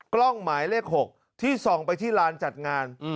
กล้องหมายเลข๖ที่ส่องไปที่ลานจัดงาน